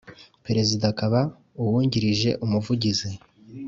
Perezida akaba uwungirije Umuvugizi